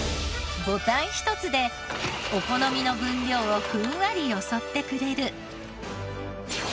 ボタンひとつでお好みの分量をふんわりよそってくれる。